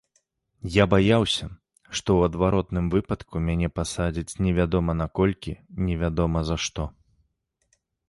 Я баяўся, што ў адваротным выпадку мяне пасадзяць невядома на колькі невядома за што.